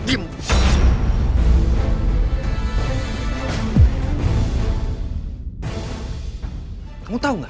jadi awak dan aku asyik berhubungan